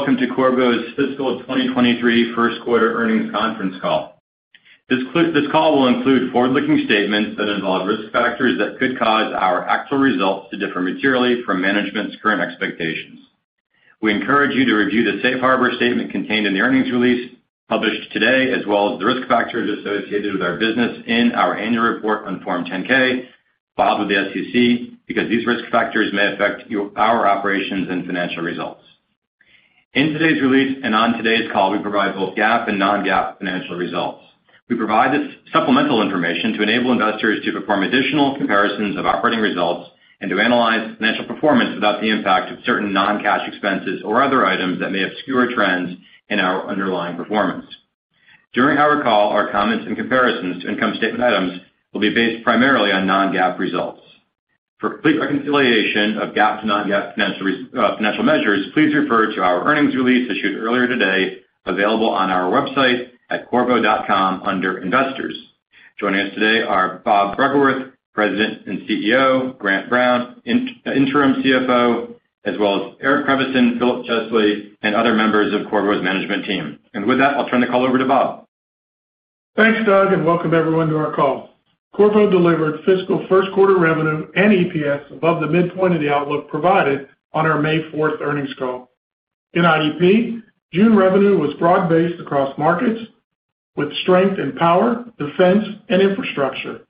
Welcome to Qorvo's fiscal 2023 first quarter earnings conference call. This call will include forward-looking statements that involve risk factors that could cause our actual results to differ materially from management's current expectations. We encourage you to review the safe harbor statement contained in the earnings release published today, as well as the risk factors associated with our business in our annual report on Form 10-K filed with the SEC, because these risk factors may affect our operations and financial results. In today's release and on today's call, we provide both GAAP and non-GAAP financial results. We provide this supplemental information to enable investors to perform additional comparisons of operating results and to analyze financial performance without the impact of certain non-cash expenses or other items that may obscure trends in our underlying performance. During our call, our comments and comparisons to income statement items will be based primarily on non-GAAP results. For complete reconciliation of GAAP to non-GAAP financial measures, please refer to our earnings release issued earlier today, available on our website at Qorvo.com under Investors. Joining us today are Bob Bruggeworth, President and CEO; Grant Brown, Interim CFO; as well as Eric Creviston, Philip Chesley, and other members of Qorvo's management team. With that, I'll turn the call over to Bob. Thanks, Doug, and welcome everyone to our call. Qorvo delivered fiscal first quarter revenue and EPS above the midpoint of the outlook provided on our May fourth earnings call. In IDP, June revenue was broad-based across markets with strength in power, defense, and infrastructure.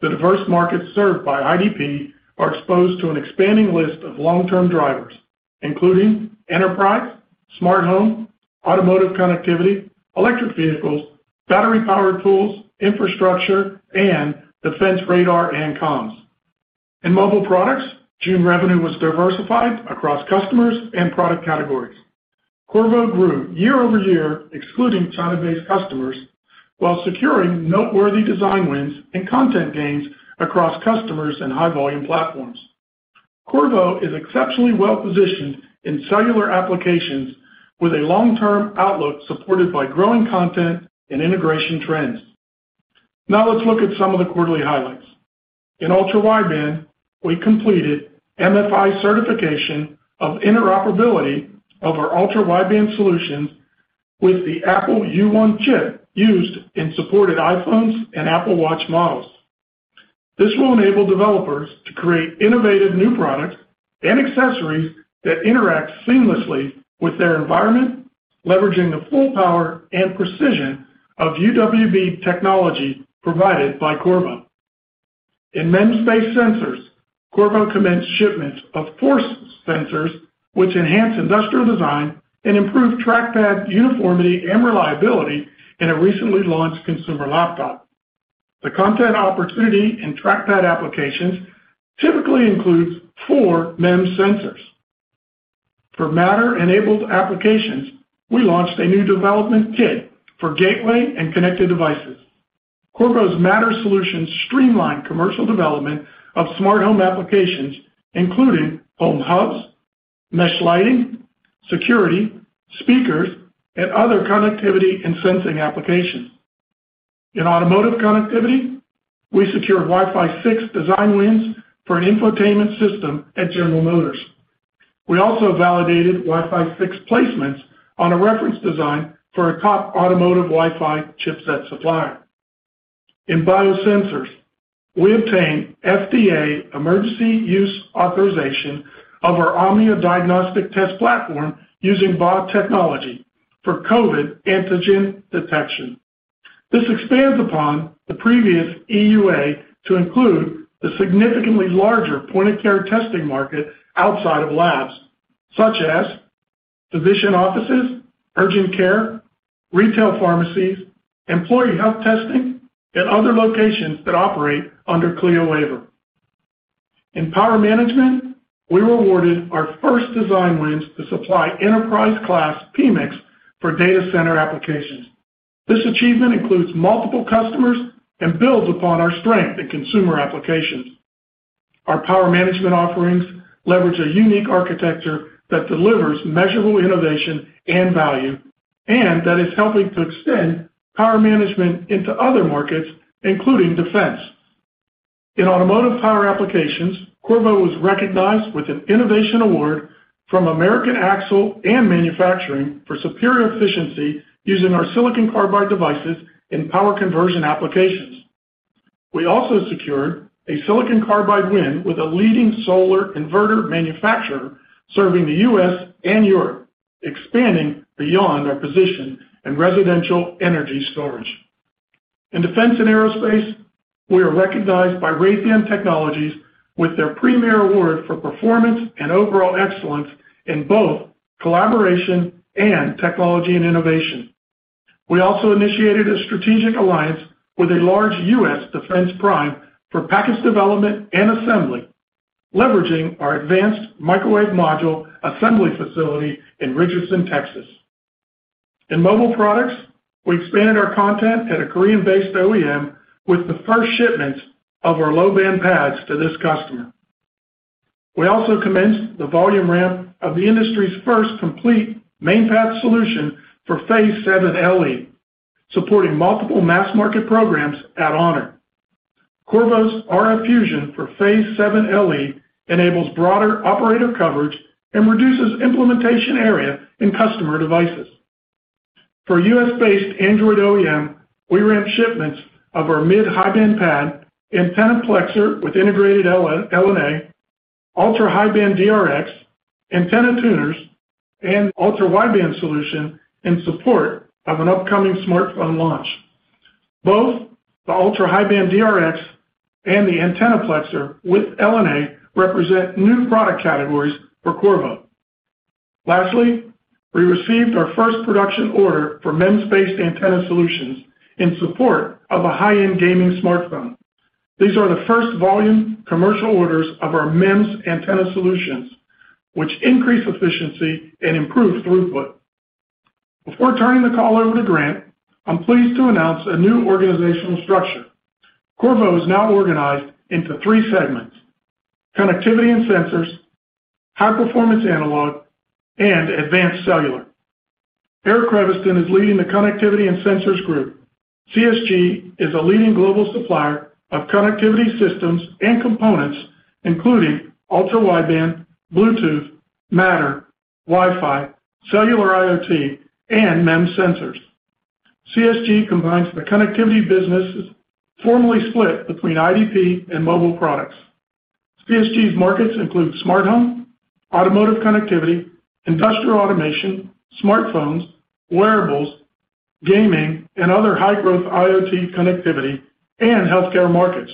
The diverse markets served by IDP are exposed to an expanding list of long-term drivers, including enterprise, smart home, automotive connectivity, electric vehicles, battery-powered tools, infrastructure, and defense radar and comms. In Mobile Products, June revenue was diversified across customers and product categories. Qorvo grew year-over-year, excluding China-based customers, while securing noteworthy design wins and content gains across customers and high-volume platforms. Qorvo is exceptionally well-positioned in cellular applications with a long-term outlook supported by growing content and integration trends. Now let's look at some of the quarterly highlights. In ultra-wideband, we completed MFi certification of interoperability of our ultra-wideband solutions with the Apple U1 chip used in supported iPhones and Apple Watch models. This will enable developers to create innovative new products and accessories that interact seamlessly with their environment, leveraging the full power and precision of UWB technology provided by Qorvo. In MEMS-based sensors, Qorvo commenced shipments of force sensors, which enhance industrial design and improve trackpad uniformity and reliability in a recently launched consumer laptop. The content opportunity in trackpad applications typically includes four MEMS sensors. For Matter-enabled applications, we launched a new development kit for gateway and connected devices. Qorvo's Matter solutions streamline commercial development of smart home applications, including home hubs, mesh lighting, security, speakers, and other connectivity and sensing applications. In automotive connectivity, we secured Wi-Fi 6 design wins for an infotainment system at General Motors. We also validated Wi-Fi 6 placements on a reference design for a top automotive Wi-Fi chipset supplier. In biosensors, we obtained FDA Emergency Use Authorization of our Omnia diagnostic test platform using BAW technology for COVID antigen detection. This expands upon the previous EUA to include the significantly larger point-of-care testing market outside of labs, such as physician offices, urgent care, retail pharmacies, employee health testing, and other locations that operate under CLIA waiver. In power management, we were awarded our first design wins to supply enterprise-class PMICs for data center applications. This achievement includes multiple customers and builds upon our strength in consumer applications. Our power management offerings leverage a unique architecture that delivers measurable innovation and value, and that is helping to extend power management into other markets, including defense. In automotive power applications, Qorvo was recognized with an innovation award from American Axle & Manufacturing for superior efficiency using our silicon carbide devices in power conversion applications. We also secured a silicon carbide win with a leading solar inverter manufacturer serving the U.S. and Europe, expanding beyond our position in residential energy storage. In defense and aerospace, we are recognized by Raytheon Technologies with their Premier Award for performance and overall excellence in both collaboration and technology and innovation. We also initiated a strategic alliance with a large U.S. defense prime for package development and assembly, leveraging our advanced microwave module assembly facility in Richardson, Texas. In mobile products, we expanded our content at a Korean-based OEM with the first shipments of our low-band PADs to this customer. We also commenced the volume ramp of the industry's first complete main path solution for Phase 7 LE, supporting multiple mass market programs at Honor. Qorvo's RF Fusion for Phase 7 LE enables broader operator coverage and reduces implementation area in customer devices. For U.S.-based Android OEM, we ramped shipments of our mid-high-band PAD, antennaplexer with integrated LNA, ultra-high-band DRx, antenna tuners, and ultra-wideband solution in support of an upcoming smartphone launch. Both the ultra-high-band DRx and the antennaplexer with LNA represent new product categories for Qorvo. Lastly, we received our first production order for MEMS-based antenna solutions in support of a high-end gaming smartphone. These are the first volume commercial orders of our MEMS antenna solutions, which increase efficiency and improve throughput. Before turning the call over to Grant, I'm pleased to announce a new organizational structure. Qorvo is now organized into three segments: Connectivity and Sensors, High-Performance Analog, and Advanced Cellular. Eric Creviston is leading the Connectivity and Sensors Group. CSG is a leading global supplier of connectivity systems and components, including ultra-wideband, Bluetooth, Matter, Wi-Fi, cellular IoT, and MEMS sensors. CSG combines the connectivity businesses formerly split between IDP and mobile products. CSG's markets include smart home, automotive connectivity, industrial automation, smartphones, wearables, gaming, and other high-growth IoT connectivity and healthcare markets.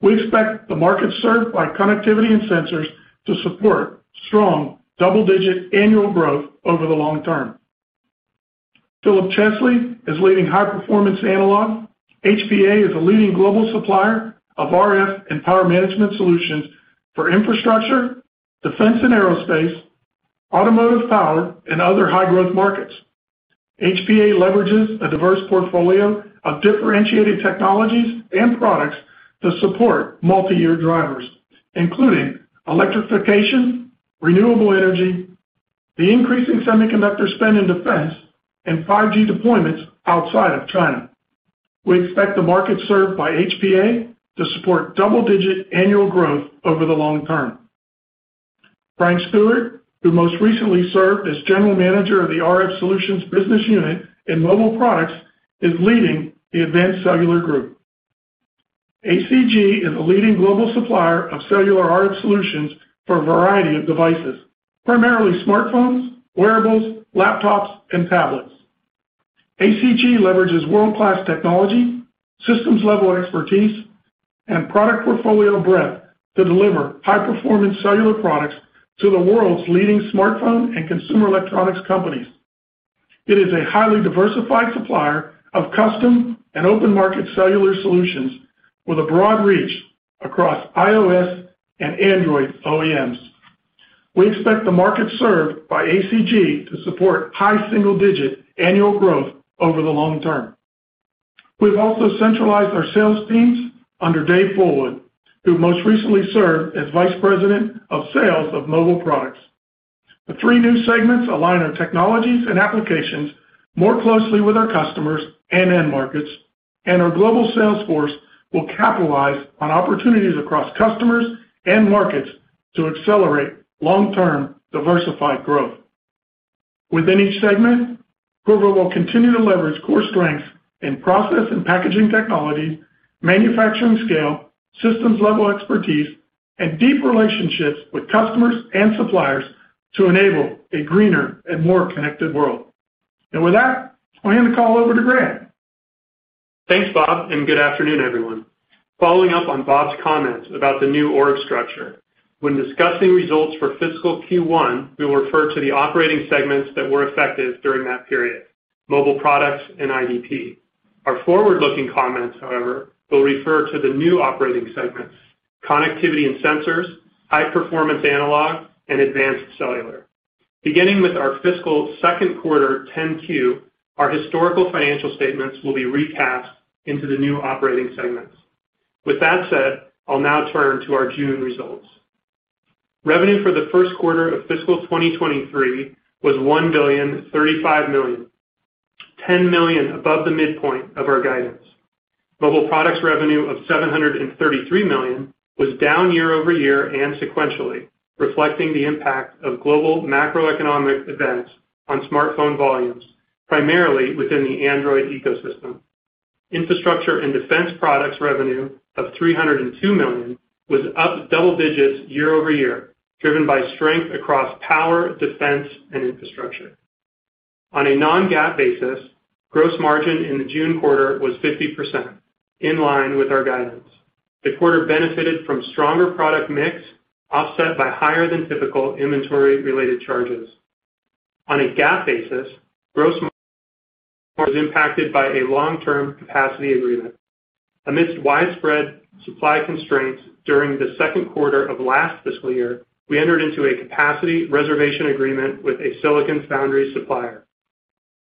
We expect the markets served by Connectivity and Sensors to support strong double-digit annual growth over the long term. Philip Chesley is leading High-Performance Analog. HPA is a leading global supplier of RF and power management solutions for infrastructure, defense and aerospace, automotive power, and other high-growth markets. HPA leverages a diverse portfolio of differentiated technologies and products to support multiyear drivers, including electrification, renewable energy, the increasing semiconductor spend in defense, and 5G deployments outside of China. We expect the market served by HPA to support double-digit annual growth over the long term. Frank Stewart, who most recently served as general manager of the RF Solutions business unit in Mobile Products, is leading the Advanced Cellular Group. ACG is a leading global supplier of cellular RF solutions for a variety of devices, primarily smartphones, wearables, laptops, and tablets. ACG leverages world-class technology, systems-level expertise, and product portfolio breadth to deliver high-performance cellular products to the world's leading smartphone and consumer electronics companies. It is a highly diversified supplier of custom and open market cellular solutions with a broad reach across iOS and Android OEMs. We expect the market served by ACG to support high single-digit annual growth over the long term. We've also centralized our sales teams under Dave Fullwood, who most recently served as Vice President of Sales of Mobile Products. The three new segments align our technologies and applications more closely with our customers and end markets, and our global sales force will capitalize on opportunities across customers and markets to accelerate long-term diversified growth. Within each segment, Qorvo will continue to leverage core strengths in process and packaging technologies, manufacturing scale, systems-level expertise, and deep relationships with customers and suppliers to enable a greener and more connected world. With that, I'll hand the call over to Grant. Thanks, Bob, and good afternoon, everyone. Following up on Bob's comments about the new org structure, when discussing results for fiscal Q1, we will refer to the operating segments that were effective during that period, Mobile Products and IDP. Our forward-looking comments, however, will refer to the new operating segments, Connectivity and Sensors, High-Performance Analog, and Advanced Cellular. Beginning with our fiscal second quarter 10-Q, our historical financial statements will be recapped into the new operating segments. With that said, I'll now turn to our June results. Revenue for the first quarter of fiscal 2023 was $1,035 million, $10 million above the midpoint of our guidance. Mobile Products revenue of $733 million was down year-over-year and sequentially, reflecting the impact of global macroeconomic events on smartphone volumes, primarily within the Android ecosystem. Infrastructure and Defense products revenue of $302 million was up double digits year-over-year, driven by strength across power, defense, and infrastructure. On a non-GAAP basis, gross margin in the June quarter was 50%, in line with our guidance. The quarter benefited from stronger product mix, offset by higher than typical inventory-related charges. On a GAAP basis, gross margin was impacted by a long-term capacity agreement. Amidst widespread supply constraints during the second quarter of last fiscal year, we entered into a capacity reservation agreement with a silicon foundry supplier.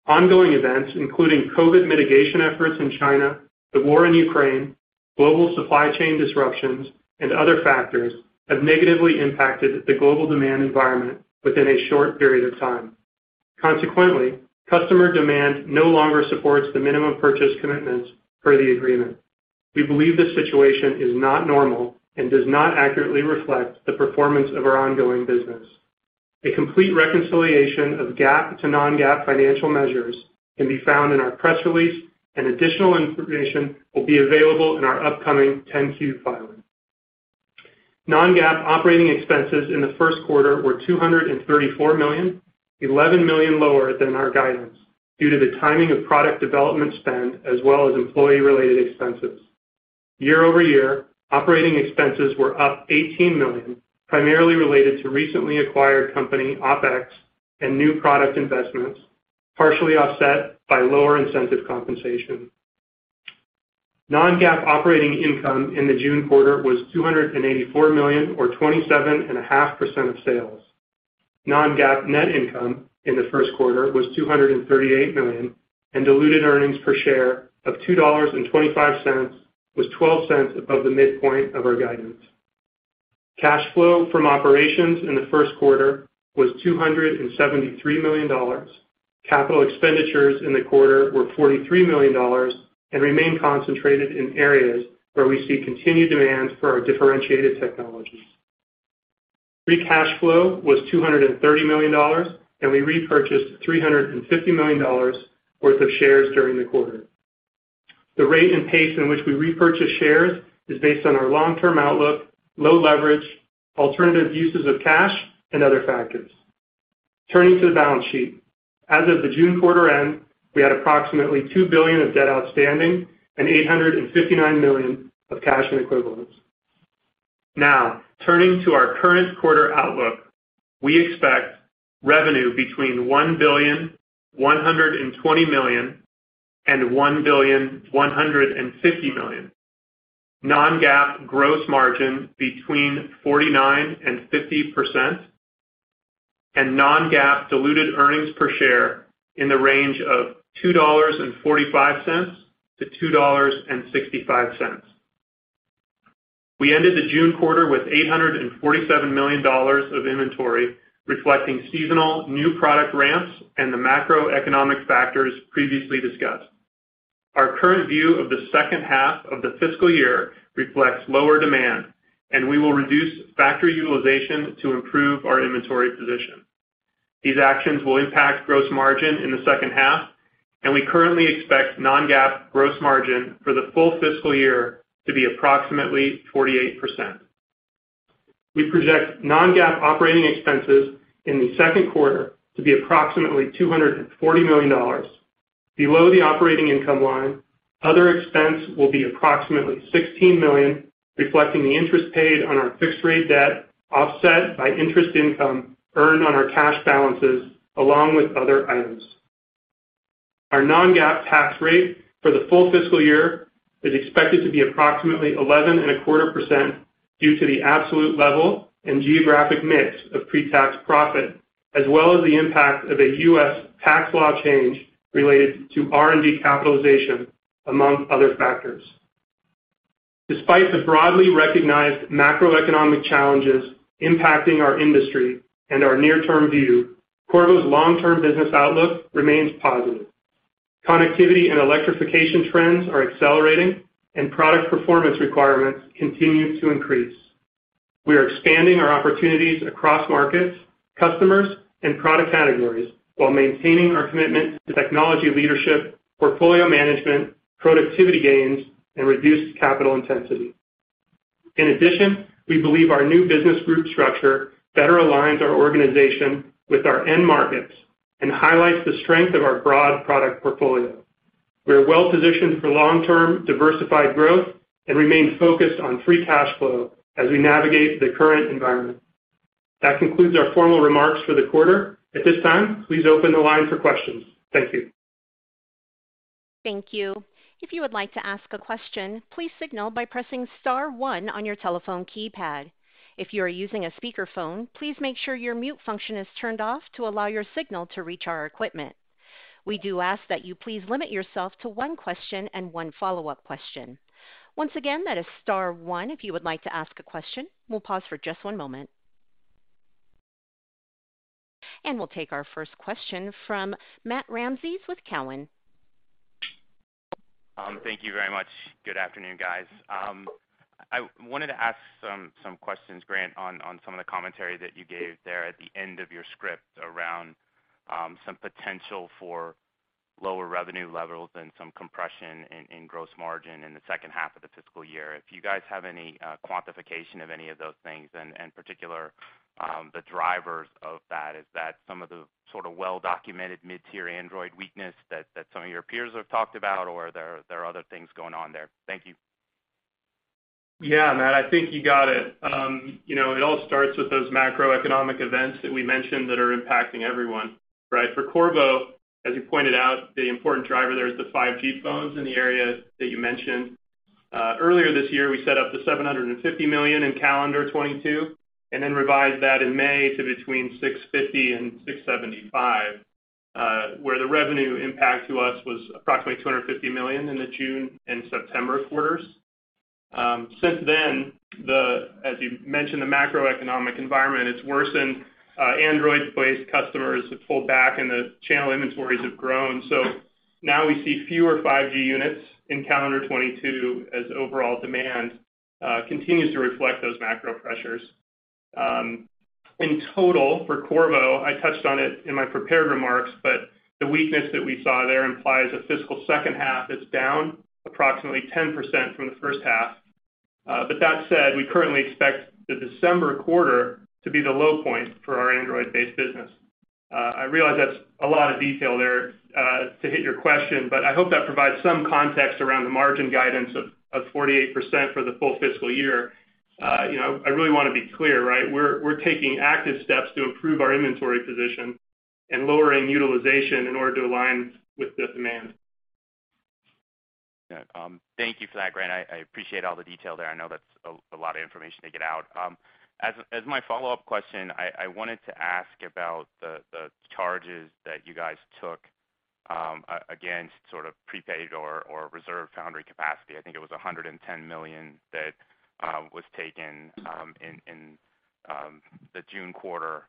Ongoing events, including COVID mitigation efforts in China, the war in Ukraine, global supply chain disruptions, and other factors, have negatively impacted the global demand environment within a short period of time. Consequently, customer demand no longer supports the minimum purchase commitments per the agreement. We believe this situation is not normal and does not accurately reflect the performance of our ongoing business. A complete reconciliation of GAAP to non-GAAP financial measures can be found in our press release, and additional information will be available in our upcoming 10-Q filing. Non-GAAP operating expenses in the first quarter were $234 million, $11 million lower than our guidance due to the timing of product development spend as well as employee-related expenses. Year-over-year operating expenses were up $18 million, primarily related to recently acquired company OpEx and new product investments, partially offset by lower incentive compensation. Non-GAAP operating income in the June quarter was $284 million or 27.5% of sales. Non-GAAP net income in the first quarter was $238 million, and diluted earnings per share of $2.25 was $0.12 above the midpoint of our guidance. Cash flow from operations in the first quarter was $273 million. Capital expenditures in the quarter were $43 million and remain concentrated in areas where we see continued demand for our differentiated technologies. Free cash flow was $230 million, and we repurchased $350 million worth of shares during the quarter. The rate and pace in which we repurchase shares is based on our long-term outlook, low leverage, alternative uses of cash, and other factors. Turning to the balance sheet. As of the June quarter end, we had approximately $2 billion of debt outstanding and $859 million of cash and equivalents. Now, turning to our current quarter outlook. We expect revenue between $1.12 billion and $1.15 billion, non-GAAP gross margin between 49% and 50%, and non-GAAP diluted earnings per share in the range of $2.45 to $2.65. We ended the June quarter with $847 million of inventory, reflecting seasonal new product ramps and the macroeconomic factors previously discussed. Our current view of the second half of the fiscal year reflects lower demand, and we will reduce factory utilization to improve our inventory position. These actions will impact gross margin in the second half, and we currently expect non-GAAP gross margin for the full fiscal year to be approximately 48%. We project non-GAAP operating expenses in the second quarter to be approximately $240 million. Below the operating income line, other expense will be approximately $16 million, reflecting the interest paid on our fixed rate debt, offset by interest income earned on our cash balances along with other items. Our non-GAAP tax rate for the full fiscal year is expected to be approximately 11.25% due to the absolute level and geographic mix of pre-tax profit, as well as the impact of a U.S. tax law change related to R&D capitalization, among other factors. Despite the broadly recognized macroeconomic challenges impacting our industry and our near-term view, Qorvo's long-term business outlook remains positive. Connectivity and electrification trends are accelerating, and product performance requirements continue to increase. We are expanding our opportunities across markets, customers, and product categories while maintaining our commitment to technology leadership, portfolio management, productivity gains, and reduced capital intensity. In addition, we believe our new business group structure better aligns our organization with our end markets and highlights the strength of our broad product portfolio. We are well-positioned for long-term diversified growth and remain focused on free cash flow as we navigate the current environment. That concludes our formal remarks for the quarter. At this time, please open the line for questions. Thank you. Thank you. If you would like to ask a question, please signal by pressing star one on your telephone keypad. If you are using a speakerphone, please make sure your mute function is turned off to allow your signal to reach our equipment. We do ask that you please limit yourself to one question and one follow-up question. Once again, that is star one if you would like to ask a question. We'll pause for just one moment. We'll take our first question from Matthew Ramsay with Cowen. Thank you very much. Good afternoon, guys. I wanted to ask some questions, Grant, on some of the commentary that you gave there at the end of your script around some potential for lower revenue levels and some compression in gross margin in the second half of the fiscal year. If you guys have any quantification of any of those things, and in particular, the drivers of that. Is that some of the sort of well-documented mid-tier Android weakness that some of your peers have talked about, or there are other things going on there? Thank you. Yeah, Matt, I think you got it. You know, it all starts with those macroeconomic events that we mentioned that are impacting everyone, right? For Qorvo, as you pointed out, the important driver there is the 5G phones in the area that you mentioned. Earlier this year, we set up the $750 million in calendar 2022 and then revised that in May to between $650 million and $675 million, where the revenue impact to us was approximately $250 million in the June and September quarters. Since then, as you mentioned, the macroeconomic environment, it's worsened. Android-based customers have pulled back and the channel inventories have grown. Now we see fewer 5G units in calendar 2022 as overall demand continues to reflect those macro pressures. In total for Qorvo, I touched on it in my prepared remarks, but the weakness that we saw there implies a fiscal second half that's down approximately 10% from the first half. That said, we currently expect the December quarter to be the low point for our Android-based business. I realize that's a lot of detail there to hit your question, but I hope that provides some context around the margin guidance of 48% for the full fiscal year. You know, I really wanna be clear, right? We're taking active steps to improve our inventory position and lowering utilization in order to align with the demand. Yeah. Thank you for that, Grant. I appreciate all the detail there. I know that's a lot of information to get out. As my follow-up question, I wanted to ask about the charges that you guys took against sort of prepaid or reserved foundry capacity. I think it was $110 million that was taken in the June quarter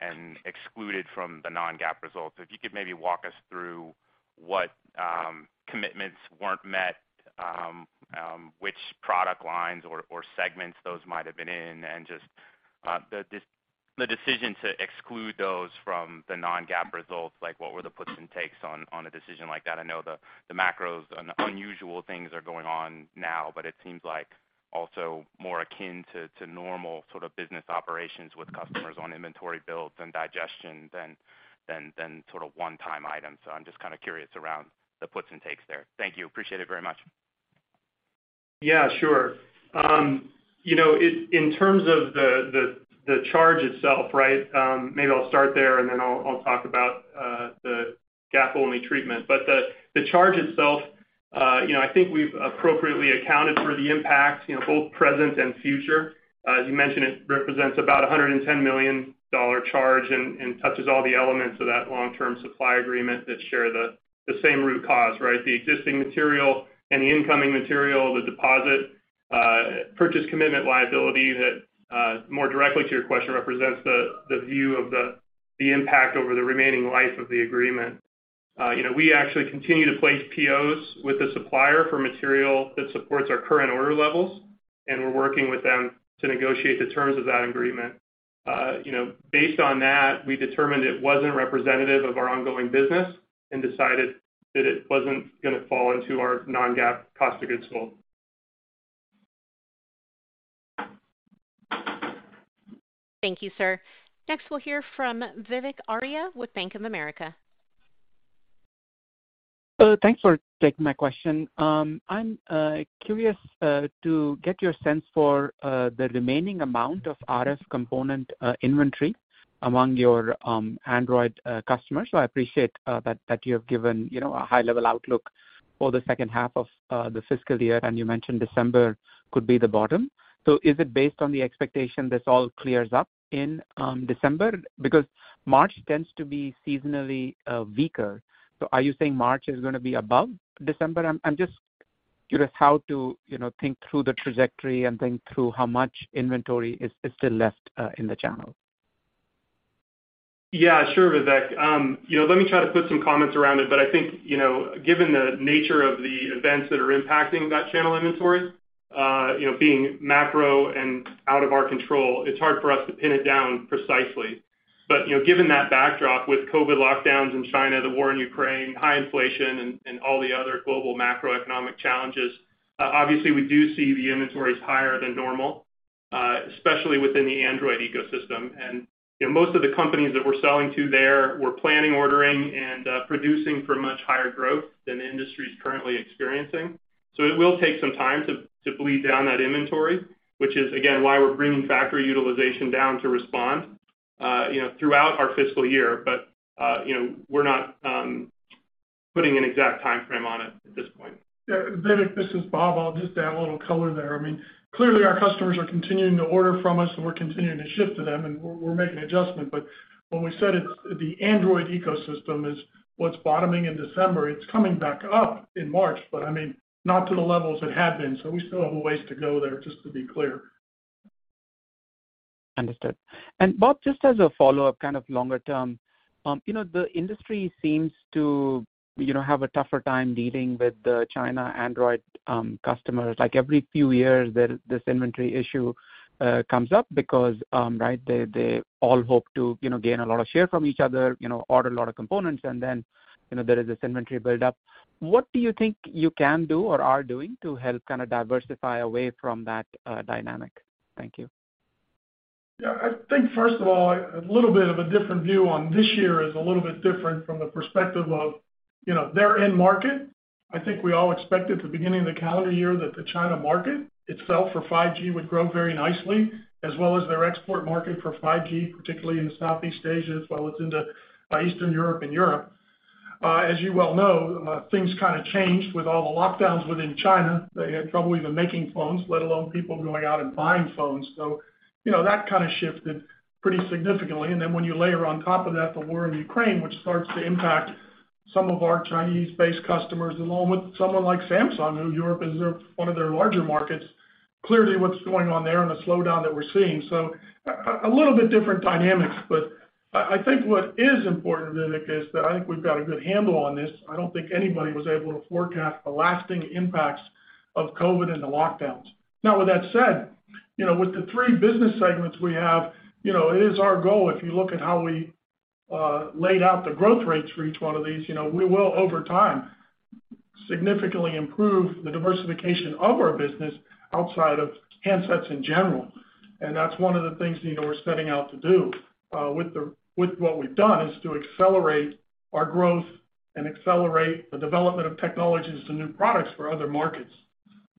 and excluded from the non-GAAP results. If you could maybe walk us through what commitments weren't met, which product lines or segments those might have been in, and just the decision to exclude those from the non-GAAP results, like what were the puts and takes on a decision like that? I know the macros and unusual things are going on now, but it seems like also more akin to normal sort of business operations with customers on inventory builds and digestion than sort of one-time items. I'm just kind of curious around the puts and takes there. Thank you. Appreciate it very much. Yeah, sure. You know, in terms of the charge itself, right, maybe I'll start there, and then I'll talk about the GAAP-only treatment. The charge itself, you know, I think we've appropriately accounted for the impact, you know, both present and future. As you mentioned, it represents about $110 million charge and touches all the elements of that long-term supply agreement that share the same root cause, right? The existing material and the incoming material, the deposit, purchase commitment liability that, more directly to your question, represents the view of the impact over the remaining life of the agreement. You know, we actually continue to place POs with the supplier for material that supports our current order levels, and we're working with them to negotiate the terms of that agreement. You know, based on that, we determined it wasn't representative of our ongoing business and decided that it wasn't gonna fall into our non-GAAP cost of goods sold. Thank you, sir. Next, we'll hear from Vivek Arya with Bank of America. Thanks for taking my question. I'm curious to get your sense for the remaining amount of RF component inventory among your Android customers. I appreciate that you have given, you know, a high-level outlook for the second half of the fiscal year, and you mentioned December could be the bottom. Is it based on the expectation this all clears up in December? Because March tends to be seasonally weaker. Are you saying March is gonna be above December? I'm just curious how to, you know, think through the trajectory and think through how much inventory is still left in the channel. Yeah, sure, Vivek. You know, let me try to put some comments around it, but I think, you know, given the nature of the events that are impacting that channel inventory, you know, being macro and out of our control, it's hard for us to pin it down precisely. You know, given that backdrop with COVID lockdowns in China, the war in Ukraine, high inflation and all the other global macroeconomic challenges, obviously we do see the inventories higher than normal, especially within the Android ecosystem. You know, most of the companies that we're selling to there were planning, ordering, and producing for much higher growth than the industry's currently experiencing. It will take some time to bleed down that inventory, which is again, why we're bringing factory utilization down to respond, you know, throughout our fiscal year. You know, we're not putting an exact timeframe on it at this point. Yeah, Vivek, this is Bob. I'll just add a little color there. I mean, clearly our customers are continuing to order from us, and we're continuing to ship to them, and we're making adjustment. But when we said it's the Android ecosystem is what's bottoming in December, it's coming back up in March, but I mean, not to the levels it had been. So we still have a ways to go there, just to be clear. Understood. Bob, just as a follow-up, kind of longer term, you know, the industry seems to, you know, have a tougher time dealing with the Chinese Android customers. Like, every few years, this inventory issue comes up because, right, they all hope to, you know, gain a lot of share from each other, you know, order a lot of components, and then, you know, there is this inventory build up. What do you think you can do or are doing to help kind of diversify away from that dynamic? Thank you. Yeah. I think first of all, a little bit of a different view on this year is a little bit different from the perspective of, you know, their end market. I think we all expected at the beginning of the calendar year that the China market itself for 5G would grow very nicely, as well as their export market for 5G, particularly in the Southeast Asia, as well as into Eastern Europe and Europe. As you well know, things kind of changed with all the lockdowns within China. They had trouble even making phones, let alone people going out and buying phones. So, you know, that kind of shifted pretty significantly. And then when you layer on top of that, the war in Ukraine, which starts to impact. Some of our Chinese-based customers, along with someone like Samsung, who Europe is their one of their larger markets, clearly what's going on there and the slowdown that we're seeing. A little bit different dynamics, but I think what is important, Vivek, is that I think we've got a good handle on this. I don't think anybody was able to forecast the lasting impacts of COVID and the lockdowns. Now with that said, you know, with the three business segments we have, you know, it is our goal, if you look at how we laid out the growth rates for each one of these, you know, we will over time significantly improve the diversification of our business outside of handsets in general. That's one of the things, you know, we're setting out to do with what we've done, is to accelerate our growth and accelerate the development of technologies to new products for other markets.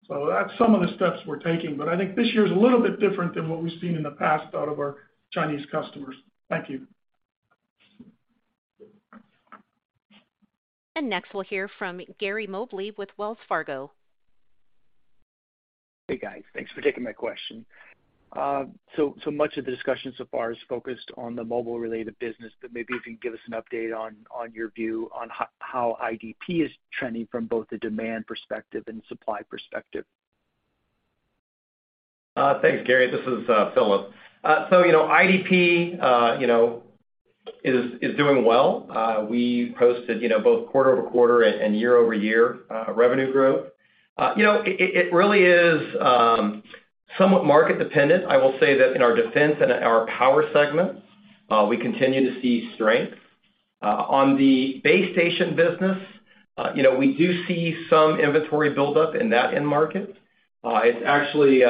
That's some of the steps we're taking. I think this year is a little bit different than what we've seen in the past out of our Chinese customers. Thank you. Next, we'll hear from Gary Mobley with Wells Fargo. Hey, guys. Thanks for taking my question. So much of the discussion so far is focused on the mobile-related business, but maybe if you can give us an update on your view on how IDP is trending from both the demand perspective and supply perspective. Thanks, Gary. This is Philip. So you know, IDP you know is doing well. We posted, you know, both quarter-over-quarter and year-over-year revenue growth. You know, it really is somewhat market dependent. I will say that in our defense and our power segments, we continue to see strength. On the base station business, you know, we do see some inventory buildup in that end market. It's actually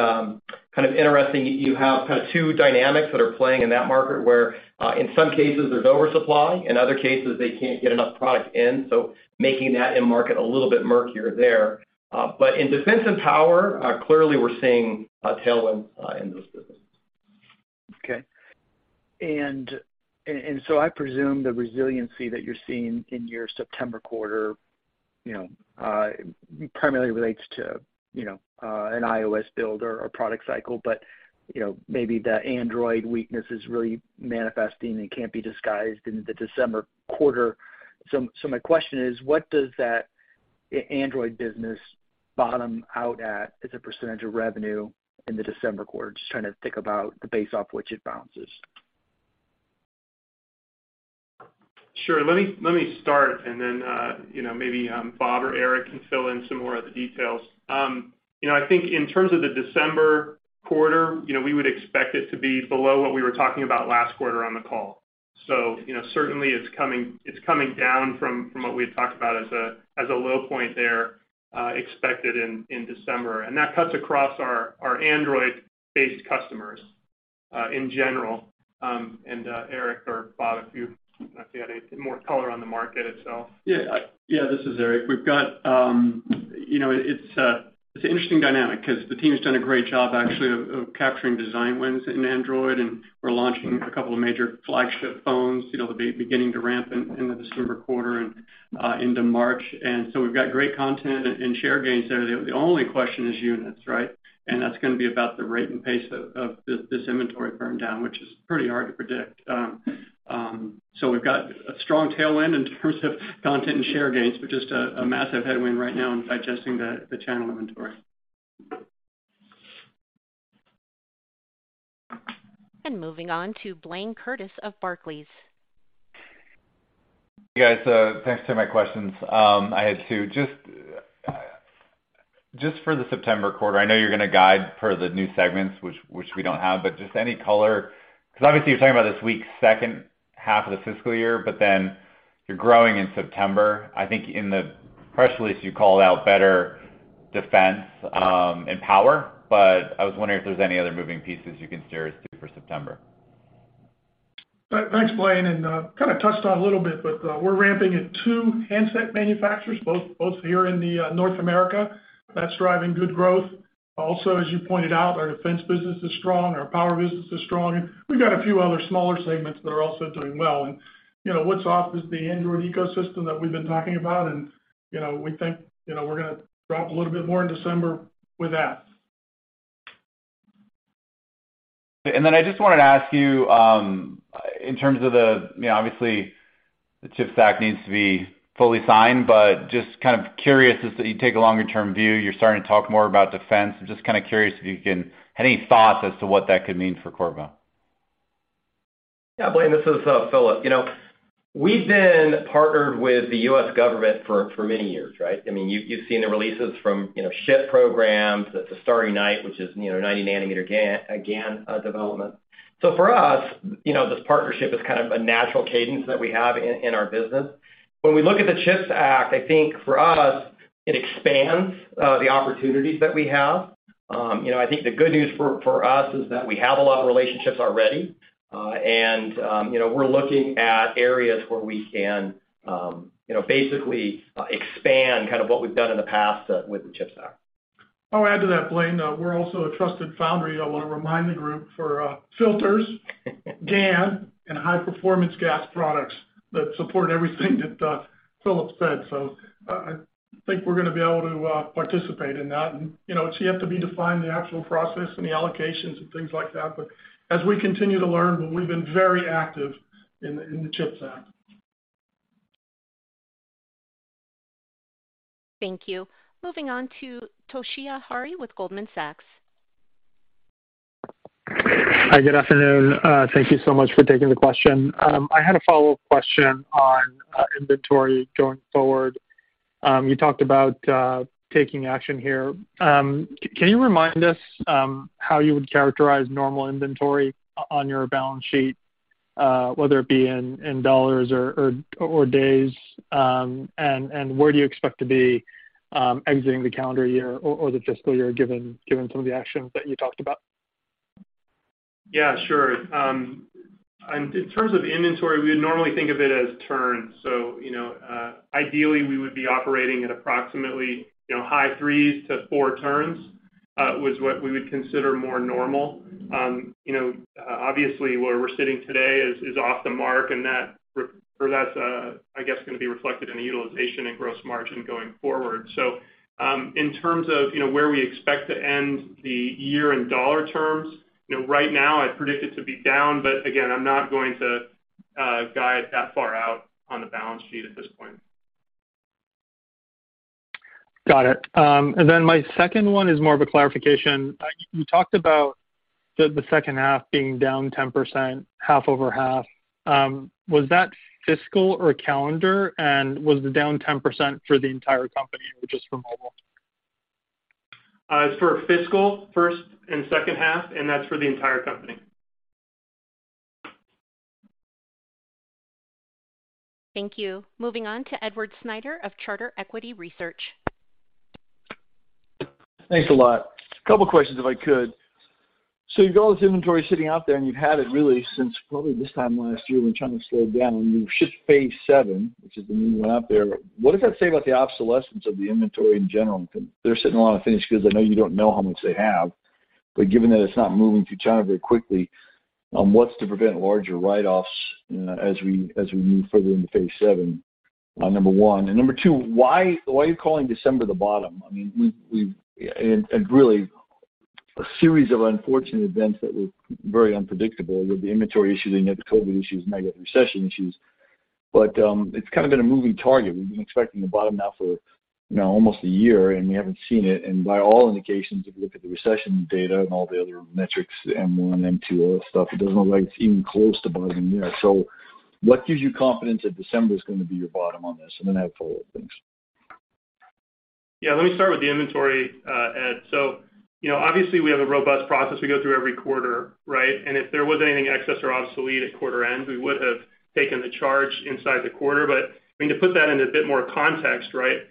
kind of interesting, you have kind of two dynamics that are playing in that market where, in some cases there's oversupply, in other cases they can't get enough product in, so making that end market a little bit murkier there. In defense and power, clearly we're seeing a tailwind in those business. Okay. I presume the resiliency that you're seeing in your September quarter, you know, primarily relates to, you know, an iOS build or product cycle, but, you know, maybe the Android weakness is really manifesting and can't be disguised in the December quarter. My question is, what does that Android business bottom out at, as a percentage of revenue in the December quarter? Just trying to think about the base off which it bounces. Sure. Let me start and then, you know, maybe Bob or Eric can fill in some more of the details. You know, I think in terms of the December quarter, you know, we would expect it to be below what we were talking about last quarter on the call. You know, certainly it's coming down from what we had talked about as a low point there, expected in December. That cuts across our Android-based customers in general. Eric or Bob, if you had any more color on the market itself. Yeah, this is Eric. We've got, you know, it's an interesting dynamic 'cause the team has done a great job actually of capturing design wins in Android, and we're launching a couple of major flagship phones, you know, they'll be beginning to ramp in the December quarter and into March. We've got great content and share gains there. The only question is units, right? That's gonna be about the rate and pace of this inventory burn down, which is pretty hard to predict. We've got a strong tailwind in terms of content and share gains, but just a massive headwind right now in digesting the channel inventory. Moving on to Blayne Curtis of Barclays. Hey, guys. Thanks for taking my questions. I had two. Just for the September quarter, I know you're gonna guide per the new segments which we don't have, but just any color, 'cause obviously you're talking about this week is second half of the fiscal year, but then you're growing in September. I think in the press release you called out better defense, and power, but I was wondering if there's any other moving parts you can share with us too for September. Thanks, Blayne, kinda touched on it a little bit, but we're ramping at two handset manufacturers, both here in North America. That's driving good growth. Also, as you pointed out, our defense business is strong, our power business is strong, and we've got a few other smaller segments that are also doing well. You know, what's soft is the Android ecosystem that we've been talking about, and you know, we think we're gonna drop a little bit more in December with that. I just wanted to ask you, in terms of the, you know, obviously the CHIPS Act needs to be fully signed, but just kind of curious as you take a longer term view, you're starting to talk more about defense. I'm just kinda curious. Any thoughts as to what that could mean for Qorvo? Yeah, Blayne, this is Philip. You know, we've been partnered with the U.S. government for many years, right? I mean, you've seen the releases from, you know, SHIP program. It's a STARRY NITE, which is, you know, 90 nanometer GaN development. So, for us, you know, this partnership is kind of a natural cadence that we have in our business. When we look at the CHIPS Act, I think for us it expands the opportunities that we have. You know, I think the good news for us is that we have a lot of relationships already. You know, we're looking at areas where we can, you know, basically expand kind of what we've done in the past with the CHIPS Act. I'll add to that, Blayne. We're also a trusted foundry. I wanna remind the group for filters, GaN and high-performance GaAs products that support everything that Philip said. I think we're gonna be able to participate in that. You know, it's yet to be defined the actual process and the allocations and things like that. As we continue to learn, we've been very active in the CHIPS Act. Thank you. Moving on to Toshiya Hari with Goldman Sachs. Hi, good afternoon. Thank you so much for taking the question. I had a follow-up question on inventory going forward. You talked about taking action here. Can you remind us how you would characterize normal inventory on your balance sheet, whether it be in dollars or days? Where do you expect to be exiting the calendar year or the fiscal year, given some of the actions that you talked about? Yeah, sure. In terms of inventory, we would normally think of it as turns. Ideally, we would be operating at approximately high 3s to 4 turns, which we would consider more normal. Obviously, where we're sitting today is off the mark, and that's, I guess, gonna be reflected in the utilization and gross margin going forward. In terms of where we expect to end the year in dollar terms, right now I predict it to be down, but again, I'm not going to guide that far out on the balance sheet at this point. Got it. My second one is more of a clarification. You talked about the second half being down 10%, half-over-half. Was that fiscal or calendar? Was the down 10% for the entire company or just for mobile? It's for fiscal first and second half, and that's for the entire company. Thank you. Moving on to Edward Snyder of Charter Equity Research. Thanks a lot. Couple questions if I could. So you've got all this inventory sitting out there, and you've had it really since probably this time last year when China slowed down, and you've shipped Phase 7, which is the new one out there. What does that say about the obsolescence of the inventory in general? They're sitting on a lot of finished goods. I know you don't know how much they have, but given that it's not moving through China very quickly, what's to prevent larger write-offs as we move further into Phase 7, number one. Number two, why are you calling December the bottom? I mean, we've and really a series of unfortunate events that were very unpredictable with the inventory issues and you have the COVID issues, now you have the recession issues. It's kind of been a moving target. We've been expecting the bottom now for, you know, almost a year, and we haven't seen it. By all indications, if you look at the recession data and all the other metrics, M1, M2 stuff, it doesn't look like it's even close to bottoming yet. What gives you confidence that December is gonna be your bottom on this? Then I have a follow-up. Thanks. Yeah. Let me start with the inventory, Ed. You know, obviously we have a robust process we go through every quarter, right? If there was anything excess or obsolete at quarter end, we would have taken the charge inside the quarter. I mean, to put that into a bit more context, right,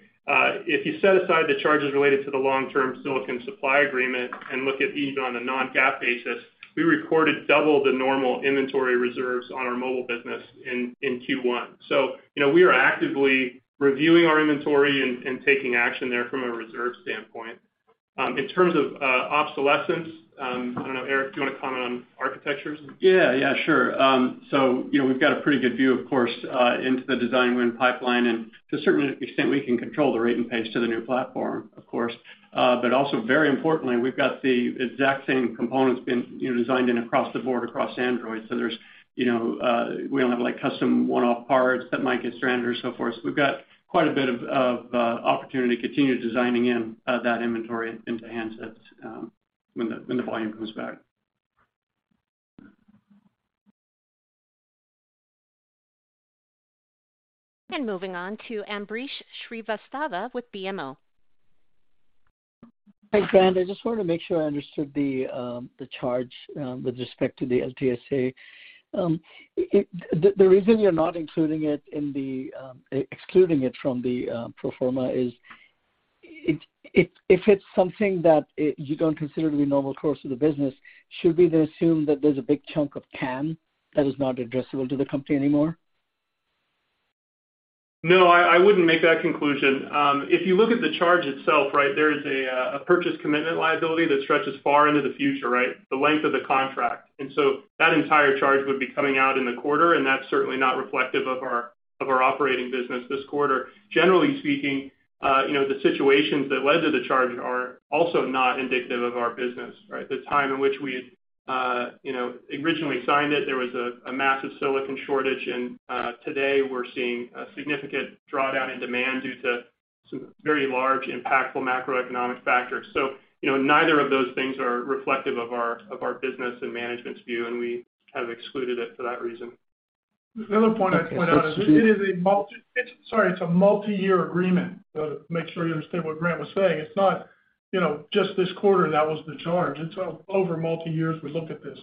if you set aside the charges related to the long-term silicon supply agreement and look at even on a non-GAAP basis, we recorded double the normal inventory reserves on our mobile business in Q1. You know, we are actively reviewing our inventory and taking action there from a reserve standpoint. In terms of obsolescence, I don't know, Eric, do you wanna comment on architectures? Yeah. Yeah, sure. You know, we've got a pretty good view, of course, into the design win pipeline and to a certain extent we can control the rate and pace to the new platform, of course. But also very importantly, we've got the exact same components being, you know, designed in across the board, across Android. There's, you know, we don't have like custom one-off parts that might get stranded or so forth. We've got quite a bit of opportunity to continue designing in that inventory into handsets, when the volume comes back. Moving on to Ambrish Srivastava with BMO. Hi, Grant. I just wanted to make sure I understood the charge with respect to the LTSA. The reason you're excluding it from the pro forma is if it's something that you don't consider to be normal course of the business, should we then assume that there's a big chunk of TAM that is not addressable to the company anymore? No, I wouldn't make that conclusion. If you look at the charge itself, right, there is a purchase commitment liability that stretches far into the future, right? The length of the contract. That entire charge would be coming out in the quarter, and that's certainly not reflective of our operating business this quarter. Generally speaking, you know, the situations that led to the charge are also not indicative of our business, right? The time in which we, you know, originally signed it, there was a massive silicon shortage and today we're seeing a significant drawdown in demand due to some very large impactful macroeconomic factors. You know, neither of those things are reflective of our business and management's view, and we have excluded it for that reason. The other point I'd point out. Okay. Thanks. It's sorry, it's a multi-year agreement. To make sure you understand what Grant was saying. It's not, you know, just this quarter that was the charge. It's over multi years we look at this.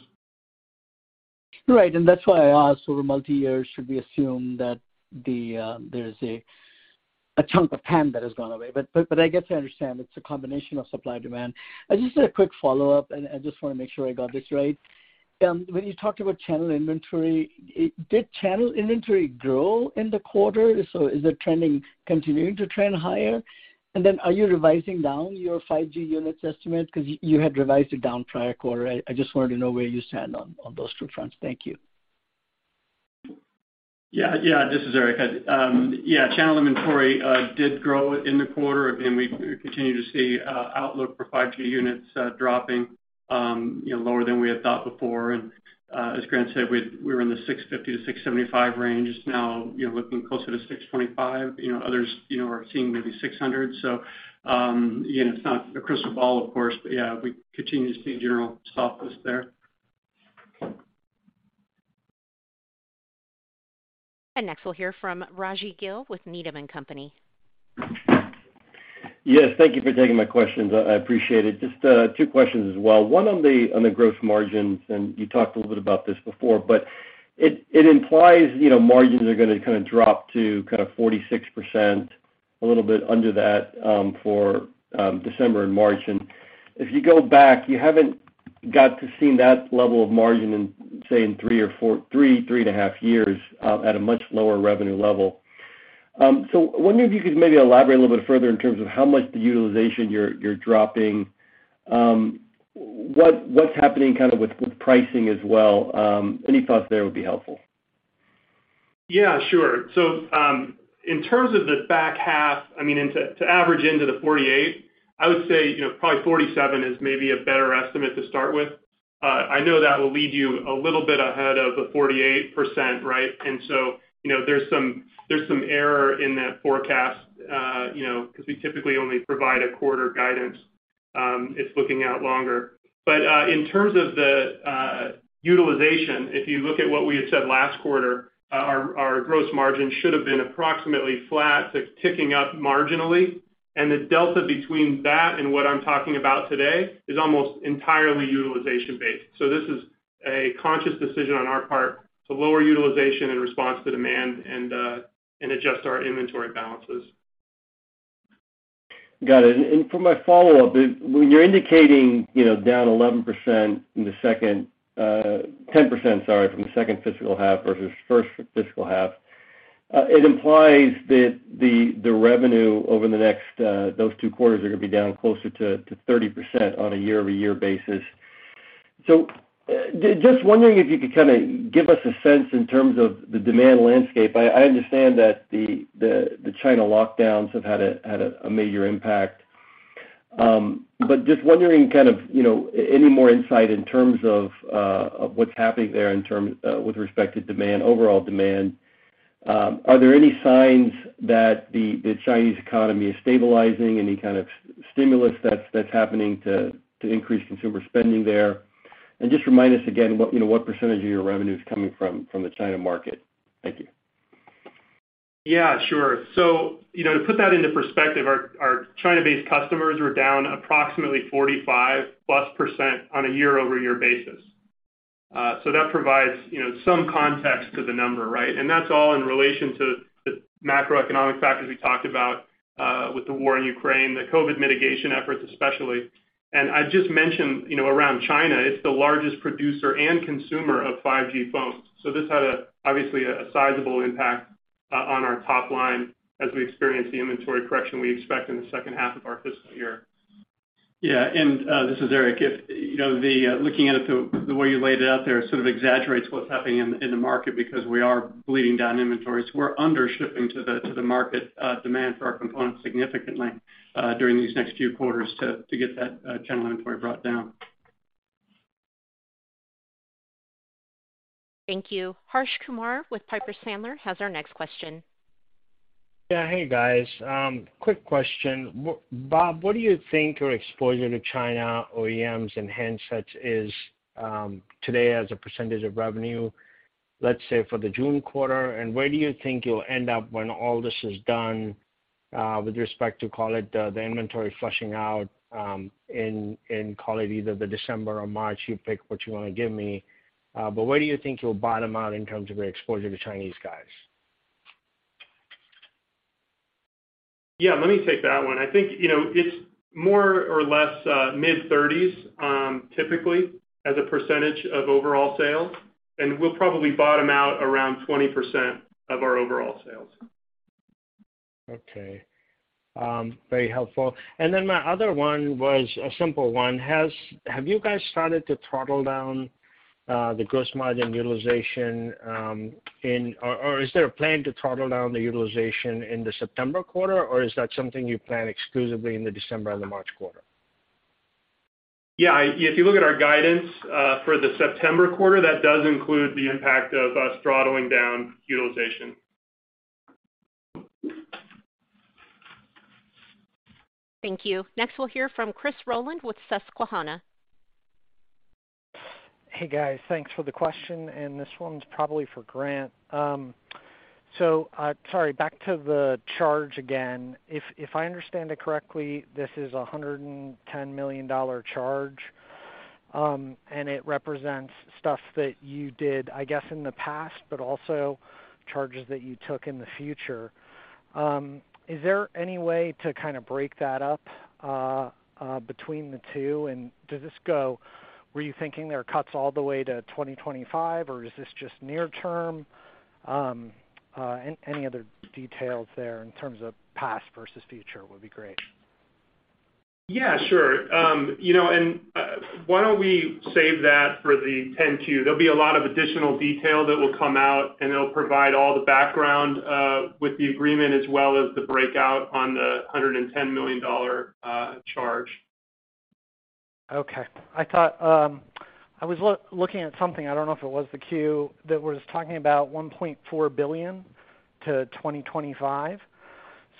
Right. That's why I asked over multi-year, should we assume that there's a chunk of TAM that has gone away? I get to understand it's a combination of supply demand. I just had a quick follow-up, and I just wanna make sure I got this right. When you talked about channel inventory, did channel inventory grow in the quarter? So is it trending, continuing to trend higher? And then are you revising down your 5G units estimate? Cause you had revised it down prior quarter. I just wanted to know where you stand on those two fronts. Thank you. Yeah, this is Eric. Channel inventory did grow in the quarter. Again, we continue to see outlook for 5G units dropping, you know, lower than we had thought before. As Grant said, we're in the 650-675 range now, you know, looking closer to 625. You know, others are seeing maybe 600. You know, it's not a crystal ball, of course, but yeah, we continue to see general softness there. Next, we'll hear from Rajvindra Gill with Needham & Company. Yes, thank you for taking my questions. I appreciate it. Just two questions as well. One on the gross margins, and you talked a little bit about this before. It implies, you know, margins are gonna kind of drop to kind of 46%, a little bit under that, for December and March. If you go back, you haven't got to see that level of margin in, say, three and a half years, at a much lower revenue level. Wondering if you could maybe elaborate a little bit further in terms of how much the utilization you're dropping, what's happening kind of with pricing as well. Any thoughts there would be helpful. Yeah, sure. In terms of the back half, I mean, to average into the 48%, I would say, you know, probably 47% is maybe a better estimate to start with. I know that will lead you a little bit ahead of the 48%, right? You know, there's some error in that forecast, you know, 'cause we typically only provide a quarter guidance, it's looking out longer. In terms of the utilization, if you look at what we had said last quarter, our gross margin should have been approximately flat to ticking up marginally. The delta between that and what I'm talking about today is almost entirely utilization-based. This is a conscious decision on our part to lower utilization in response to demand and adjust our inventory balances. Got it. For my follow-up, when you're indicating, you know, down 11% in the second, 10%, sorry, from the second fiscal half versus first fiscal half, it implies that the revenue over the next, those two quarters are gonna be down closer to 30% on a year-over-year basis. Just wondering if you could kinda give us a sense in terms of the demand landscape. I understand that the China lockdowns have had a major impact. But just wondering kind of, you know, any more insight in terms of what's happening there in terms, with respect to demand, overall demand. Are there any signs that the Chinese economy is stabilizing? Any kind of stimulus that's happening to increase consumer spending there? Just remind us again what, you know, what percentage of your revenue is coming from the China market. Thank you. Yeah, sure. You know, to put that into perspective, our China-based customers were down approximately 45%+ on a year-over-year basis. That provides, you know, some context to the number, right? That's all in relation to the macroeconomic factors we talked about with the war in Ukraine, the COVID mitigation efforts especially. I just mentioned, you know, around China, it's the largest producer and consumer of 5G phones. This had, obviously, a sizable impact on our top line as we experienced the inventory correction we expect in the second half of our fiscal year. Yeah. This is Eric. Looking at it through the way you laid it out there sort of exaggerates what's happening in the market because we are bleeding down inventories. We're under-shipping to the market demand for our components significantly during these next few quarters to get that channel inventory brought down. Thank you. Harsh Kumar with Piper Sandler has our next question. Yeah. Hey, guys. Quick question. Bob, what do you think your exposure to China OEMs and handsets is, today as a percentage of revenue, let's say for the June quarter? Where do you think you'll end up when all this is done, with respect to, call it, the inventory flushing out, in, call it either the December or March, you pick what you wanna give me. But where do you think you'll bottom out in terms of your exposure to Chinese guys? Yeah, let me take that one. I think, you know, it's more or less mid-30s% typically as a percentage of overall sales, and we'll probably bottom out around 20% of our overall sales. Okay. Very helpful. My other one was a simple one. Have you guys started to throttle down the gross margin utilization, or is there a plan to throttle down the utilization in the September quarter, or is that something you plan exclusively in the December and the March quarter? Yeah, if you look at our guidance for the September quarter, that does include the impact of us throttling down utilization. Thank you. Next, we'll hear from Chris Rolland with Susquehanna. Hey, guys. Thanks for the question, and this one's probably for Grant. Sorry, back to the charge again. If I understand it correctly, this is a $110 million charge, and it represents stuff that you did, I guess, in the past, but also charges that you took in the future. Is there any way to kind of break that up between the two? Were you thinking there are cuts all the way to 2025, or is this just near term? Any other details there in terms of past versus future would be great. Yeah, sure. You know, why don't we save that for the 10-Q? There'll be a lot of additional detail that will come out, and it'll provide all the background with the agreement, as well as the breakout on the $110 million charge. Okay. I thought I was looking at something. I don't know if it was the 10-Q that was talking about $1.4 billion to 2025.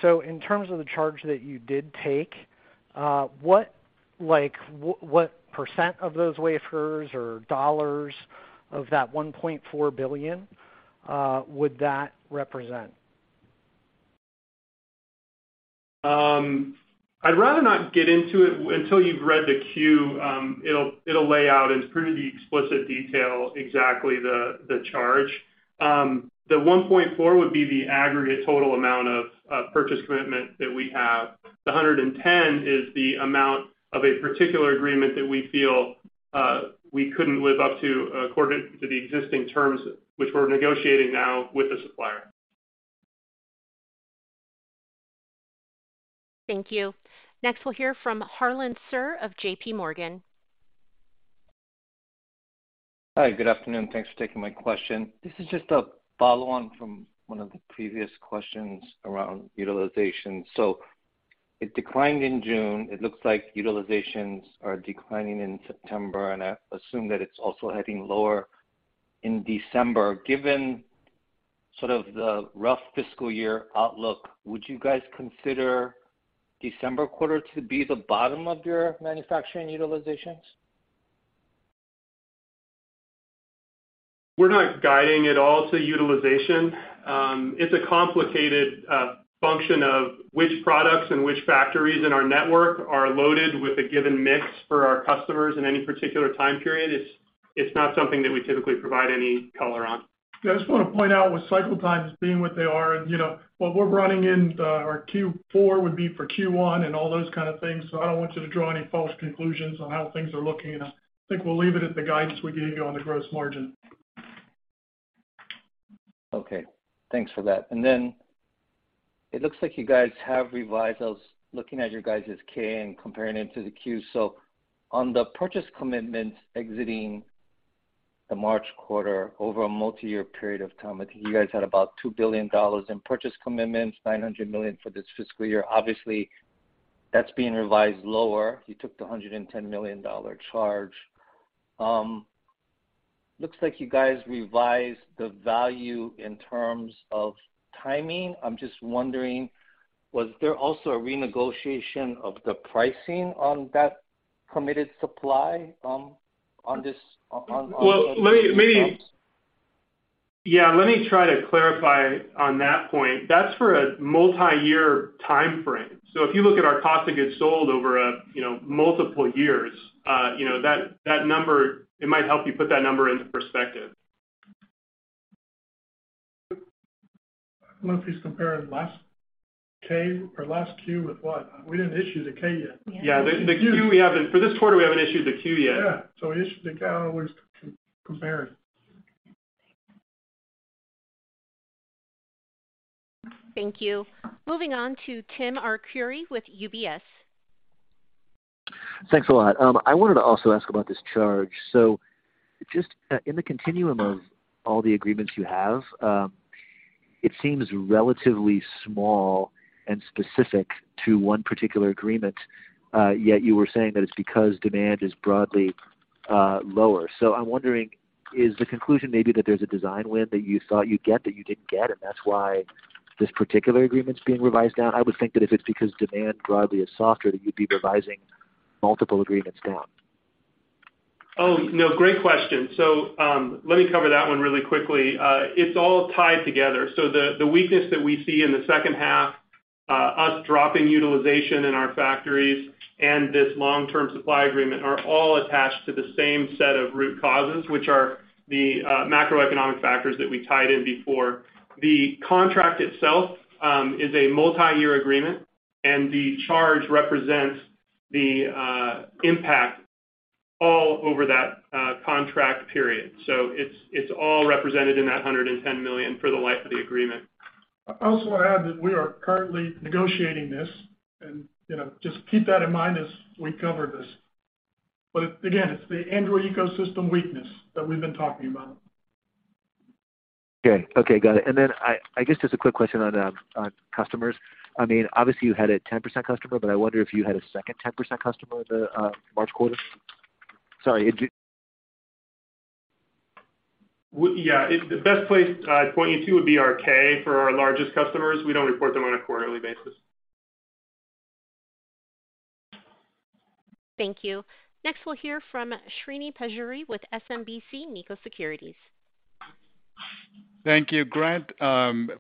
In terms of the charge that you did take, what, like, what percent of those wafers or dollars of that $1.4 billion would that represent? I'd rather not get into it until you've read the Q. It'll lay out, it's pretty explicit detail exactly the charge. The $1.4 billionwould be the aggregate total amount of purchase commitment that we have. The $110 is the amount of a particular agreement that we feel we couldn't live up to according to the existing terms, which we're negotiating now with the supplier. Thank you. Next, we'll hear from Harlan Sur of JPMorgan. Hi, good afternoon. Thanks for taking my question. This is just a follow on from one of the previous questions around utilization. It declined in June. It looks like utilizations are declining in September, and I assume that it's also heading lower in December. Given sort of the rough fiscal year outlook, would you guys consider December quarter to be the bottom of your manufacturing utilizations? We're not guiding at all to utilization. It's a complicated function of which products and which factories in our network are loaded with a given mix for our customers in any particular time period. It's not something that we typically provide any color on. Yeah, I just wanna point out with cycle times being what they are, and, you know, what we're running in, our Q4 would be for Q1 and all those kind of things, so I don't want you to draw any false conclusions on how things are looking. I think we'll leave it at the guidance we gave you on the gross margin. Okay. Thanks for that. It looks like you guys have revised. I was looking at your guys' 10-K and comparing it to the 10-Q. On the purchase commitments exiting the March quarter over a multi-year period of time, I think you guys had about $2 billion in purchase commitments, $900 million for this fiscal year. Obviously, that's being revised lower. You took the $110 million charge. Looks like you guys revised the value in terms of timing. I'm just wondering, was there also a renegotiation of the pricing on that committed supply. Well, let me try to clarify on that point. That's for a multi-year timeframe. If you look at our cost of goods sold over, you know, multiple years, you know, that number, it might help you put that number into perspective. I don't know if he's comparing last K or last Q with what. We didn't issue the K yet. Yeah. For this quarter, we haven't issued the Q yet. He issued the 10-K. I don't know what he's comparing. Thank you. Moving on to Timothy Arcuri with UBS. Thanks a lot. I wanted to also ask about this charge. Just in the continuum of all the agreements you have, it seems relatively small and specific to one particular agreement, yet you were saying that it's because demand is broadly lower. I'm wondering, is the conclusion maybe that there's a design win that you thought you'd get that you didn't get, and that's why this particular agreement's being revised down? I would think that if it's because demand broadly is softer, that you'd be revising multiple agreements down. Oh, no, great question. Let me cover that one really quickly. It's all tied together. The weakness that we see in the second half, us dropping utilization in our factories and this long-term supply agreement are all attached to the same set of root causes, which are the macroeconomic factors that we tied in before. The contract itself is a multi-year agreement, and the charge represents the impact all over that contract period. It's all represented in that $110 million for the life of the agreement. I also want to add that we are currently negotiating this, and, you know, just keep that in mind as we cover this. Again, it's the Android ecosystem weakness that we've been talking about. Okay. Okay, got it. Then I guess just a quick question on customers. I mean, obviously, you had a 10% customer, but I wonder if you had a second 10% customer the March quarter. Sorry, in Ju– Yeah. The best place I'd point you to would be our 10-K for our largest customers. We don't report them on a quarterly basis. Thank you. Next, we'll hear from Srini Pajjuri with SMBC Nikko Securities. Thank you. Grant,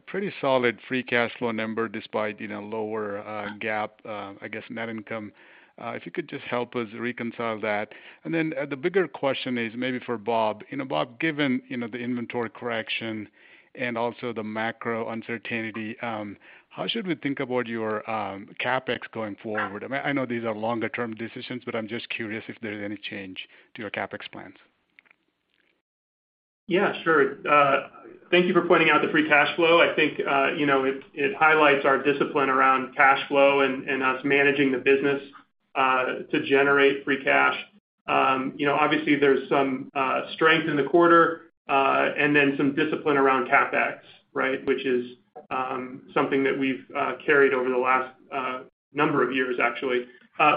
pretty solid free cash flow number despite, you know, lower GAAP, I guess net income. If you could just help us reconcile that. The bigger question is maybe for Bob. You know, Bob, given, you know, the inventory correction and also the macro uncertainty, how should we think about your CapEx going forward? I mean, I know these are longer term decisions, but I'm just curious if there's any change to your CapEx plans. Yeah, sure. Thank you for pointing out the free cash flow. I think, you know, it highlights our discipline around cash flow and us managing the business to generate free cash. You know, obviously there's some strength in the quarter and then some discipline around CapEx, right? Which is something that we've carried over the last number of years actually.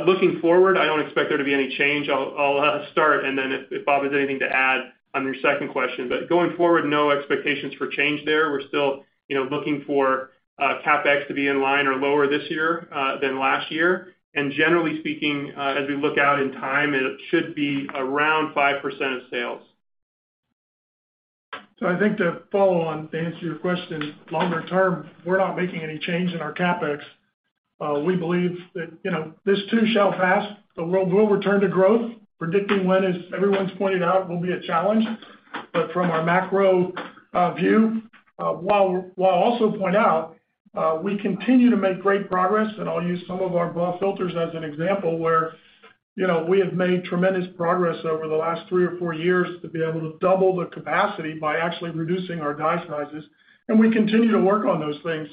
Looking forward, I don't expect there to be any change. I'll start, and then if Bob has anything to add on your second question. Going forward, no expectations for change there. We're still, you know, looking for CapEx to be in line or lower this year than last year. Generally speaking, as we look out in time, it should be around 5% of sales. I think to follow on to answer your question, longer term, we're not making any change in our CapEx. We believe that, you know, this too shall pass. The world will return to growth. Predicting when, as everyone's pointed out, will be a challenge. From our macro view, while I also point out, we continue to make great progress, and I'll use some of our BAW filters as an example where, you know, we have made tremendous progress over the last three or four years to be able to double the capacity by actually reducing our die sizes, and we continue to work on those things.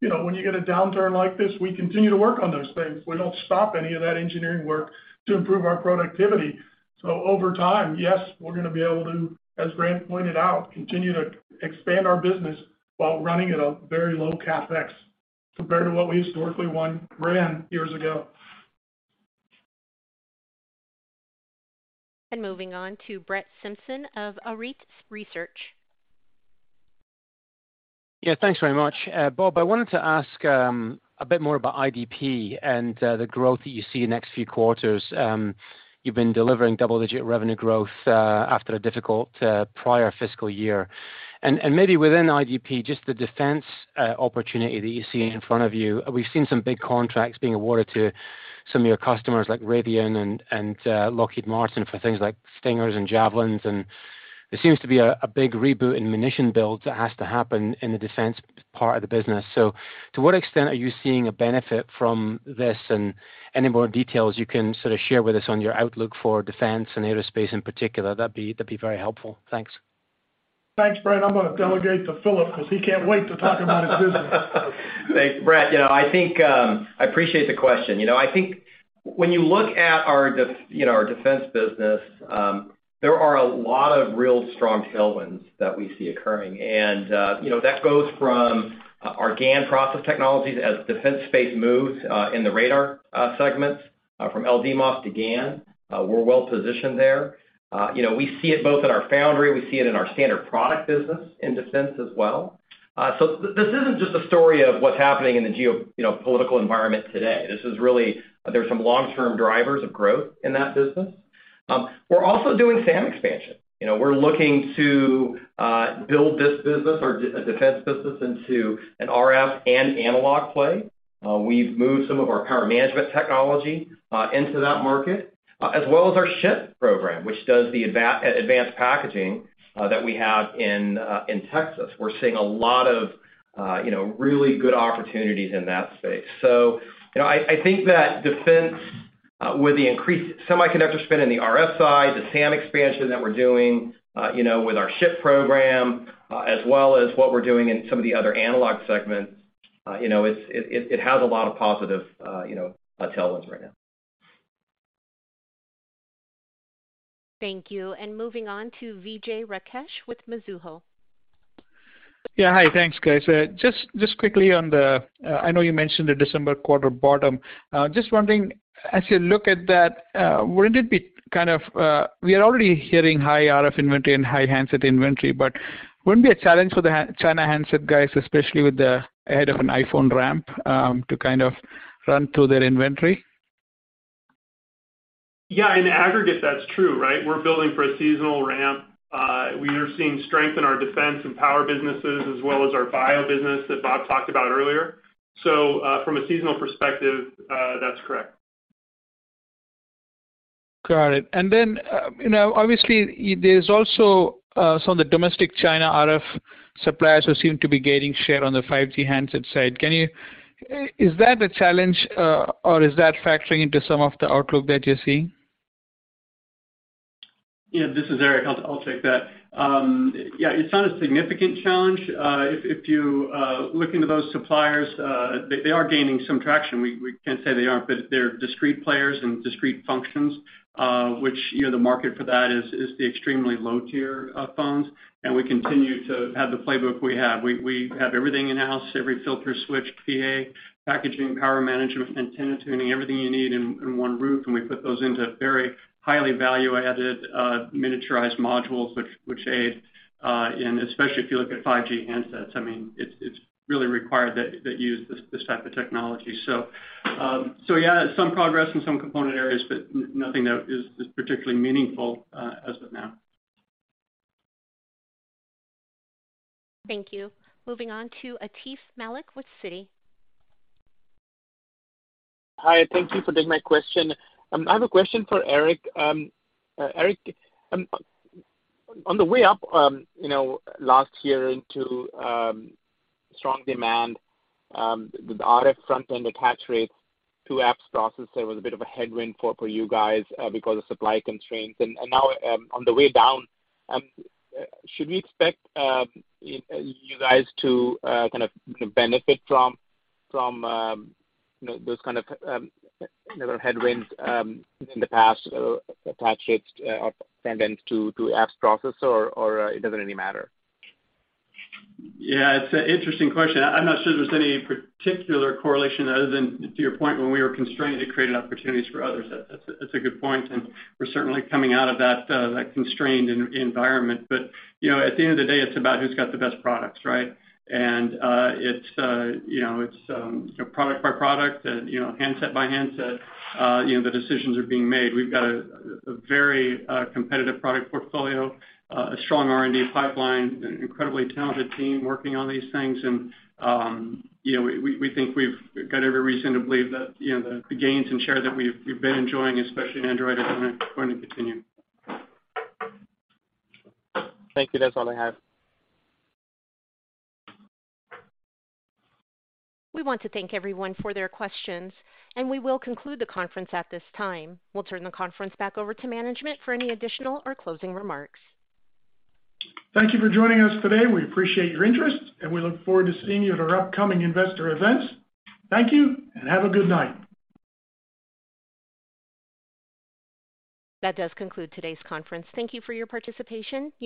You know, when you get a downturn like this, we continue to work on those things. We don't stop any of that engineering work to improve our productivity. Over time, yes, we're gonna be able to, as Grant pointed out, continue to expand our business while running at a very low CapEx compared to what we historically have run years ago. Moving on to Brett Simpson of Arete Research. Yeah, thanks very much. Bob, I wanted to ask a bit more about IDP and the growth that you see in the next few quarters. You've been delivering double-digit revenue growth after a difficult prior fiscal year. Maybe within IDP, just the defense opportunity that you see in front of you. We've seen some big contracts being awarded to some of your customers like Raytheon Technologies and Lockheed Martin for things like Stingers and Javelins. There seems to be a big reboot in munitions builds that has to happen in the defense part of the business. To what extent are you seeing a benefit from this, and any more details you can sort of share with us on your outlook for defense and aerospace in particular? That'd be very helpful. Thanks. Thanks, Brett. I'm gonna delegate to Philip 'cause he can't wait to talk about his business. Thanks, Brett. You know, I think I appreciate the question. You know, I think when you look at, you know, our defense business, there are a lot of real strong tailwinds that we see occurring. You know, that goes from our GaN process technologies as defense space moves in the radar segments from LDMOS to GaN. We're well positioned there. You know, we see it both in our foundry. We see it in our standard product business in defense as well. So this isn't just a story of what's happening in the geopolitical environment today. This is really. There's some long-term drivers of growth in that business. We're also doing SAM expansion. You know, we're looking to build this defense business into an RF and analog play. We've moved some of our power management technology into that market, as well as our SHIP program, which does the advanced packaging that we have in Texas. We're seeing a lot of, you know, really good opportunities in that space. You know, I think that defense, with the increased semiconductor spend in the RF side, the SAM expansion that we're doing, you know, with our SHIP program, as well as what we're doing in some of the other analog segments, you know, it has a lot of positive, you know, tailwinds right now. Thank you. Moving on to Vijay Rakesh with Mizuho. Yeah, hi. Thanks, guys. Just quickly on the, I know you mentioned the December quarter bottom. Just wondering, as you look at that, wouldn't it be kind of. We are already hearing high RF inventory and high handset inventory, but wouldn't it be a challenge for the China handset guys, especially ahead of an iPhone ramp, to kind of run through their inventory? Yeah, in aggregate, that's true, right? We're building for a seasonal ramp. We are seeing strength in our defense and power businesses as well as our bio business that Bob talked about earlier. From a seasonal perspective, that's correct. Got it. You know, obviously there's also some of the domestic China RF suppliers who seem to be gaining share on the 5G handset side. Is that a challenge, or is that factoring into some of the outlook that you're seeing? Yeah, this is Eric. I'll take that. Yeah, it's not a significant challenge. If you look into those suppliers, they are gaining some traction. We can't say they aren't, but they're discrete players and discrete functions, which, you know, the market for that is the extremely low-tier phones, and we continue to have the playbook we have. We have everything in-house, every filter switch, PA, packaging, power management, antenna tuning, everything you need under one roof, and we put those into very highly value-added miniaturized modules which aid in, especially if you look at 5G handsets. I mean, it's really required that use this type of technology. Yeah, some progress in some component areas, but nothing that is particularly meaningful as of now. Thank you. Moving on to Atif Malik with Citi. Hi, thank you for taking my question. I have a question for Eric. Eric, on the way up, you know, last year into strong demand, the RF front-end attach rates to apps processor was a bit of a headwind for you guys because of supply constraints. Now, on the way down, should we expect you guys to kind of benefit from you know, those kind of headwinds in the past attach rates, or tends to apps processor or it doesn't really matter? Yeah, it's an interesting question. I'm not sure there's any particular correlation other than to your point, when we were constrained, it created opportunities for others. That's a good point, and we're certainly coming out of that constrained environment. You know, at the end of the day, it's about who's got the best products, right? You know, it's you know, product by product and, you know, handset by handset, you know, the decisions are being made. We've got a very competitive product portfolio, a strong R&D pipeline, an incredibly talented team working on these things. You know, we think we've got every reason to believe that, you know, the gains and share that we've been enjoying, especially in Android, are gonna continue. Thank you. That's all I have. We want to thank everyone for their questions, and we will conclude the conference at this time. We'll turn the conference back over to management for any additional or closing remarks. Thank you for joining us today. We appreciate your interest, and we look forward to seeing you at our upcoming investor events. Thank you, and have a good night. That does conclude today's conference. Thank you for your participation. You may